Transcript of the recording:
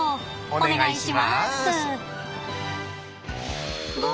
お願いします。